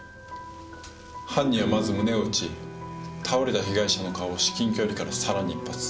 犯人はまず胸を撃ち倒れた被害者の顔を至近距離からさらに１発。